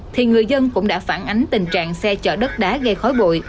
thì người dân cũng đã phản ánh tình trạng xe chở đất đá gây khói bụi